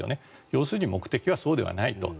要するに目的はそうではないと。